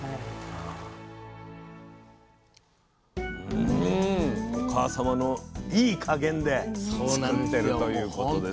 うんお母様のいい加減で作ってるということですね。